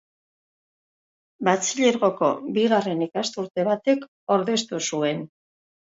Batxilergoko bigarren ikasturte batek ordeztu zuen.